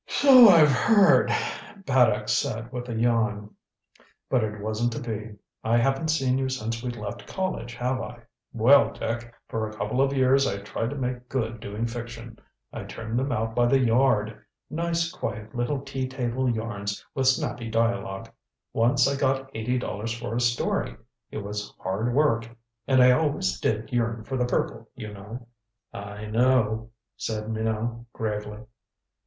"So I've heard," Paddock said with a yawn. "But it wasn't to be. I haven't seen you since we left college, have I? Well, Dick, for a couple of years I tried to make good doing fiction. I turned them out by the yard nice quiet little tea table yarns with snappy dialogue. Once I got eighty dollars for a story. It was hard work and I always did yearn for the purple, you know." "I know," said Minot gravely.